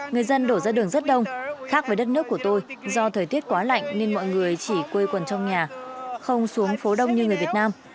người dân đổ ra đường rất đông khác với đất nước của tôi do thời tiết quá lạnh nên mọi người chỉ quây quần trong nhà không xuống phố đông như người việt nam